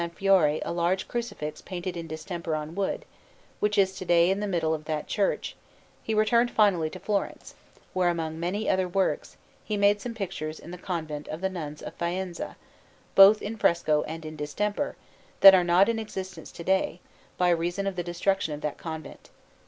Fiore a large Crucifix painted in distemper on wood, which is to day in the middle of that church, he returned finally to Florence, where, among many other works, he made some pictures in the Convent of the Nuns of Faenza, both in fresco and in distemper, that are not in existence to day, by reason of the destruction of that convent.